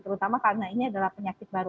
terutama karena ini adalah penyakit baru